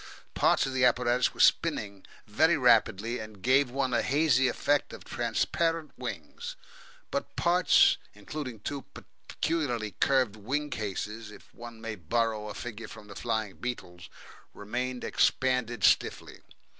Parts of the apparatus were spinning very rapidly, and gave one a hazy effect of transparent wings; but parts, including two peculiarly curved "wing cases" if one may borrow a figure from the flying beetles remained expanded stiffly.